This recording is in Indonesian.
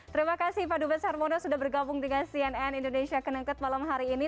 terima kasih pak dubes hermono sudah bergabung dengan cnn indonesia connected malam hari ini